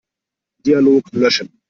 Dialog löschen.